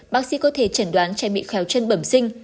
bác sĩ có thể chẩn đoán trẻ bị khéo chân bẩm sinh